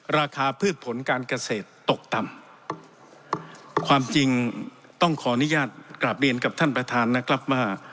ราคาพืชผลการเกษตรตกต่ำความจริงต้องขออนุญาตกราบเรียนกับท่านประธานนะครับว่า